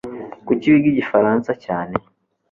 Kuki wiga Igifaransa cyane?